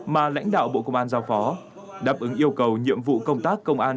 mà lãnh đạo bộ công an giao phó đáp ứng yêu cầu nhiệm vụ công tác công an